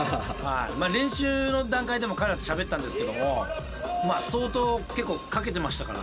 練習の段階でも彼らとしゃべったんですけども相当結構かけてましたから。